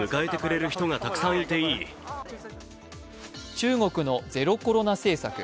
中国のゼロコロナ政策。